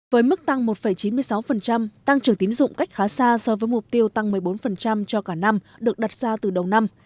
với mức tăng một chín mươi sáu tăng trưởng tín dụng cách khá xa so với mục tiêu tăng một mươi bốn cho cả năm được đặt ra từ đầu năm